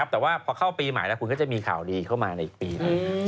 แต่ว่าพอเข้าปีใหม่แล้วคุณก็จะมีข่าวดีเข้ามาในอีกปีหนึ่ง